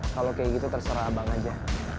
kalau kayak gitu terserah abang aja